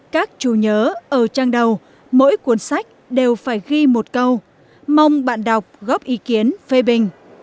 các chú nhớ ở trang đầu mỗi cuốn sách đều phải ghi một câu mong bạn đọc góp ý kiến phê bình